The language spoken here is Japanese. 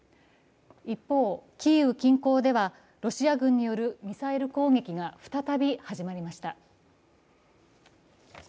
一方、キーウ近郊ではロシア軍によるミサイル攻撃が再び始まりました。